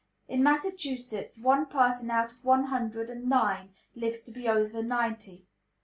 In Massachusetts one person out of one hundred and nine lives to be over ninety.